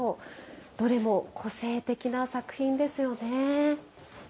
どれも個性的な作品ですよね。